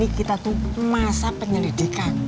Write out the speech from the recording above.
ini kita tuh masa penyelidikan